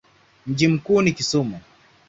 Mji mkuu ni Kisumu.